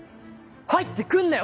入ってくんなよ！